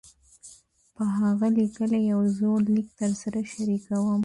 پۀ هغه ليکلے يو زوړ ليک درسره شريکووم -